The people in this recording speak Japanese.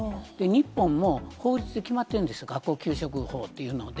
日本も法律で決まってるんですよ、学校給食法っていうので。